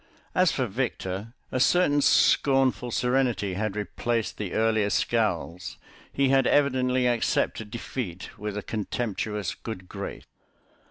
As for Victor, a certain scornful serenity had replaced the earlier scowls; he had evidently accepted defeat with a contemptuous good grace.